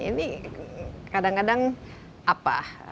ini kadang kadang apa